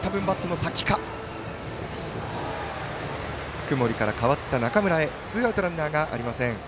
福盛から変わった中村へツーアウト、ランナーありません。